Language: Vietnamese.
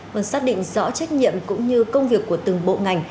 luôn xác định rõ trách nhiệm cũng như công việc của từng bộ ngành